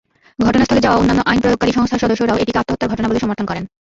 ঘটনাস্থলে যাওয়া অন্যান্য আইনপ্রয়োগকারী সংস্থার সদস্যরাও এটিকে আত্মহত্যার ঘটনা বলে সমর্থন করেন।